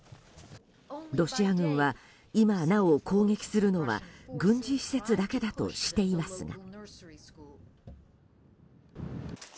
ロシア軍は今なお攻撃するのは軍事施設だけだとしていますが。